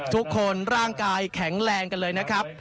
ทุกคนร่างกายแข็งแรงกันเลยนะครับ